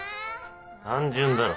単純だろ。